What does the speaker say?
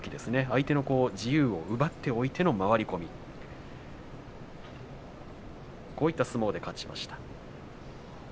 相手の自由を奪っておいての回り込み、こういった相撲で勝ちました。